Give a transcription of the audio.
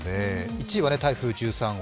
１位は台風１３号。